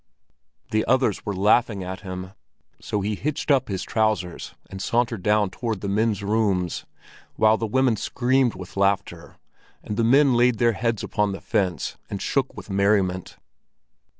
The others were laughing at him, so he hitched up his trousers and sauntered down toward the men's rooms, while the women screamed with laughter, and the men laid their heads upon the fence and shook with merriment.